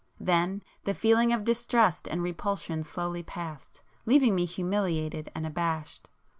Then the feeling of distrust and repulsion slowly passed, leaving me humiliated and abashed.